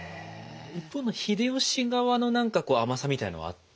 一方の秀吉側の何かこう甘さみたいなのはあったんですか？